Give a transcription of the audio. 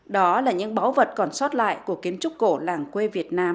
đó là những báu vật còn sót lại của kiến trúc cổ làng quê việt nam